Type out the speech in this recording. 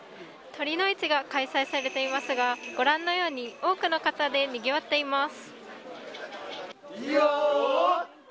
酉の市が開催されていますがご覧のように多くの方でにぎわっています。